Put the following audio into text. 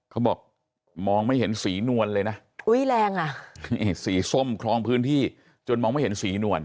เขาบอกมองไม่เห็นสีนวลเลยนะอุ้ยแรงอ่ะนี่สีส้มคลองพื้นที่จนมองไม่เห็นสีนวล